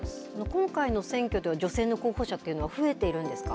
今回の選挙では女性の候補者は増えているんですか。